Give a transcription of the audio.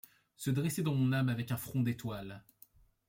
Se dresser dans mon âme avec un front d'étoile !